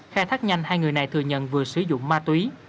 khai thác nhanh hai người này thừa nhận vừa sử dụng ma túy